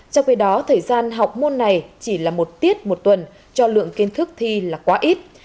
trong khi đó thời gian học môn này chỉ là một tiết một tuần cho lượng kiến thức thi là quá ít